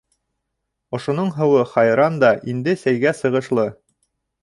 — Ошоноң һыуы хайран да инде сәйгә сығышлы.